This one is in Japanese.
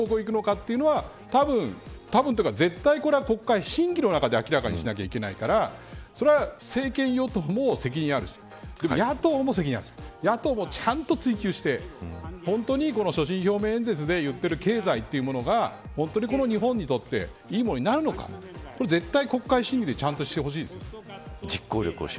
本当にこれがどういう方向にいくかというのは絶対、これは国会審議の中で明らかにしないといけないからそれは政権与党にも責任あるし野党も責任あるし野党もちゃんと追求して本当にこの所信表明演説で言っている経済というものが本当に日本にとっていいものになるのか絶対に国会審議でちゃんとしてほしいです。